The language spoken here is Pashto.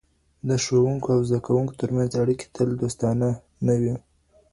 د ښوونکو او زده کوونکو ترمنځ اړیکي تل دوستانه نه وي.